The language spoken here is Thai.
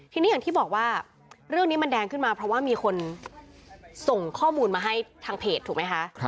ทีนี้อย่างที่บอกว่าเรื่องนี้มันแดงขึ้นมาเพราะว่ามีคนส่งข้อมูลมาให้ทางเพจถูกไหมคะ